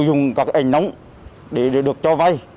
dùng các ảnh nóng để được cho vay